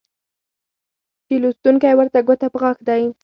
چې لوستونکى ورته ګوته په غاښ دى